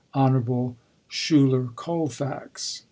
Hon. Schuyler Colfax.